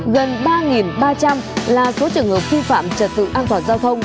gần ba ba trăm linh là số trường hợp phi phạm trật tự an toàn giao thông